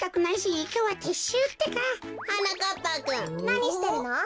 なにしてるの？